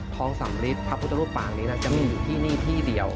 ท้องสำลิดพระพุทธรูปลางนี้นะครับจะมีอยู่ที่นี่ที่เดียว